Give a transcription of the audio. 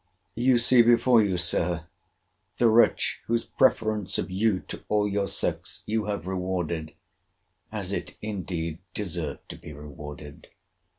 You see before you, Sir, the wretch, whose preference of you to all your sex you have rewarded—as it indeed deserved to be rewarded.